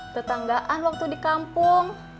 tetanggaan waktu di kampung